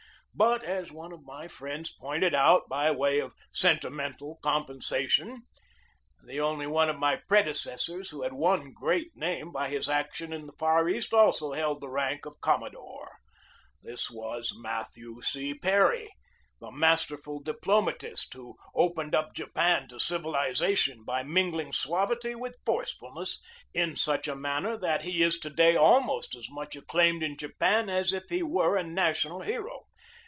But, as one of my friends pointed out, by way of a sentimental compensation, the only one of my predecessors who had won great name by his action in the Far East also held the rank of commodore. This was Matthew C. Perry, i 7 4 GEORGE DEWEY the masterful diplomatist who opened up Japan to civilization by mingling suavity with forcefulness in such a manner that he is to day almost as much ac claimed in Japan as if he were a national hero.